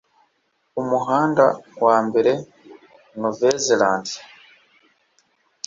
Umuhanda wa mbere wa Nouvelle-Zélande